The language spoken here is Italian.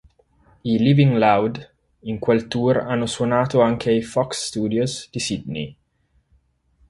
I Living Loud in quel tour hanno suonato anche ai Fox Studios di Sydney.